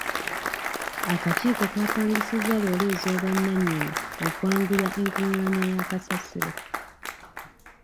Akakiiko kaapangisizza loore ez'obwannannyini okwanguya enkungaanya ya kasasiro.